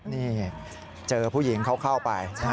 นี่เจอผู้หญิงเขาเข้าไป